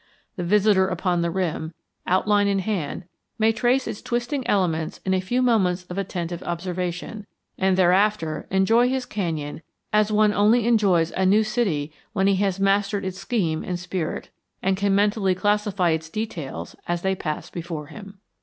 The visitor upon the rim, outline in hand, may trace its twisting elements in a few moments of attentive observation, and thereafter enjoy his canyon as one only enjoys a new city when he has mastered its scheme and spirit, and can mentally classify its details as they pass before him.